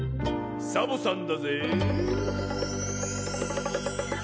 「サボさんだぜぇ」